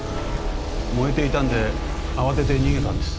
燃えていたので慌てて逃げたんです。